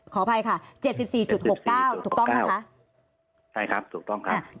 ขออภัยค่ะ๗๔๖๙ถูกต้องนะคะใช่ครับถูกต้องครับ